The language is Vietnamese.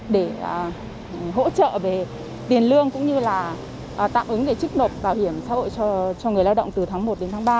để hỗ trợ về tiền lương cũng như là tạm ứng về chức nộp bảo hiểm xã hội cho người lao động từ tháng một đến tháng ba